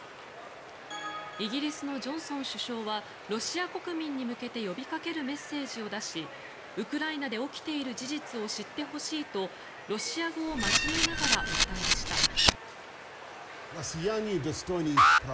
イギリスのジョンソン首相はロシア国民に向けて呼びかけるメッセージを出しウクライナで起きている事実を知ってほしいとロシア語を交えながら訴えました。